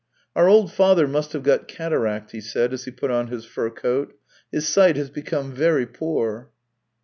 " Our old father must have got cataract," he said, as he put on his fur coat. " His sight has become very poor."